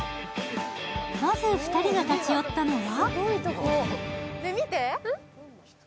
まず、２人が立ち寄ったのは？